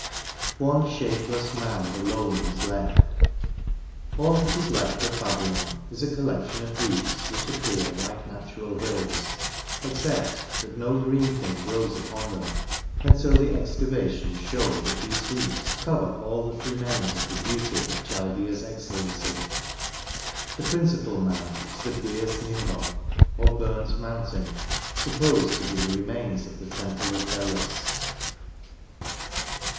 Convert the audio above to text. One thapekM mound alone is left" All that ia left of Babylon is a collection of heaps which appear like natural hills, (except that no green thing grows upon them) until the excavations shew that these heaps cover all that remains of the beauty of the Chaldea's excellency." The principal mound is the Birs Nimrod or Burnt Mountain, supposed to be the remains of the temple of Belus.